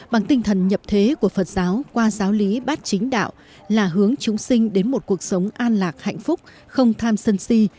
bằng tinh thần nhập thế của phật giáo qua giáo lý bát chính đạo là hướng chúng sinh đến một cuộc sống an lạc hạnh phúc không tham sân si